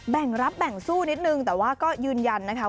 แบ่งรับแบ่งสู้นิดนึงแต่ว่าก็ยืนยันนะคะ